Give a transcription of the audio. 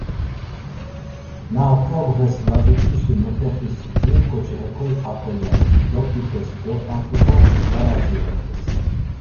Na oǩobğes lazut̆işi not̆exis jur ǩoçi hekol hakole dodgitesǩo artikartis var adziret̆es.